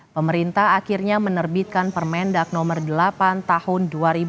pemerintah akhirnya menerbitkan permendak nomor delapan tahun dua ribu dua puluh